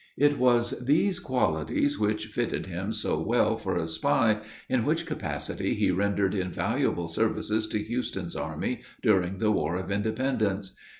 It was these qualities which fitted him so well for a spy, in which capacity he rendered invaluable services to Houston's army during the war of independence.